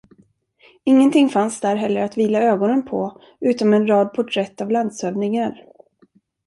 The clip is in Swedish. Ingenting fanns där heller att vila ögonen på utom en rad porträtt av landshövdingar.